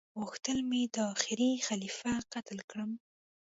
غوښتل مي دا اخيري خليفه قتل کړم